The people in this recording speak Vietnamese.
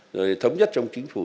rồi thống nhất trong chính phủ